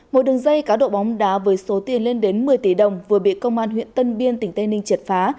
một đường dây cá độ bóng đá với số tiền lên đến một mươi tỷ đồng vừa bị công an huyện tân biên tỉnh tây ninh triệt phá